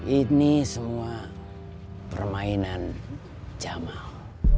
ini semua permainan jamal